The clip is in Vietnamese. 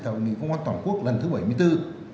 tại ủng hộ công an toàn quốc lần thứ bảy mươi bốn